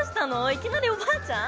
いきなりおばあちゃん？